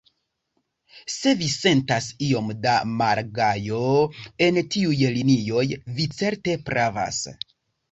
Se vi sentas iom da malgajo en tiuj linioj, vi certe pravas.